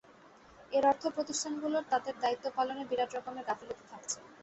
এর অর্থ প্রতিষ্ঠানগুলোর তাদের দায়িত্ব পালনে বিরাট রকমের গাফিলতি থাকছে।